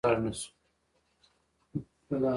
د جګړې د زیاتوالي ګواښ له منځه لاړ نشو